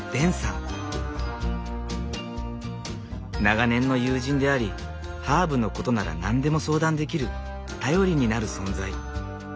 長年の友人でありハーブのことなら何でも相談できる頼りになる存在。